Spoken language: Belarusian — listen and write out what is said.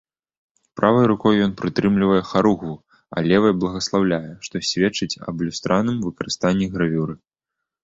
Правай рукой ён прытрымлівае харугву, а левай благаслаўляе, што сведчыць аб люстраным выкарыстанні гравюры.